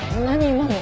今の。